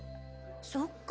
そっか。